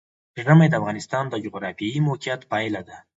ژمی د افغانستان د جغرافیایي موقیعت پایله ده.